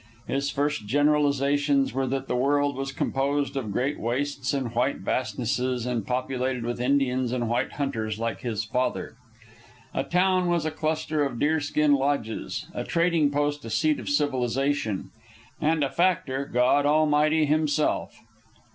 His first generalizations were that the world was composed of great wastes and white vastnesses, and populated with Indians and white hunters like his father. A town was a cluster of deer skin lodges; a trading post a seat of civilization; and a factor God Almighty Himself.